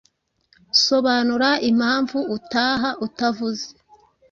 Sobanura impamvu utaha utavuze